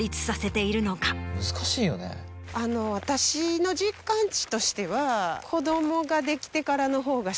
私の実感としては。